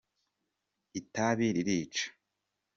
itabi ririca